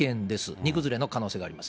荷崩れの可能性があります。